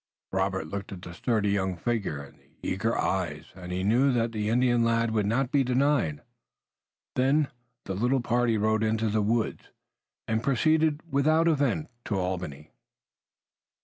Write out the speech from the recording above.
Robert looked at the sturdy young figure and the eager eyes, and he knew that the Indian lad would not be denied. Then the little party rode into the woods, and proceeded without event to Albany.